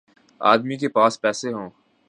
آدمی کے پاس پیسے ہوں۔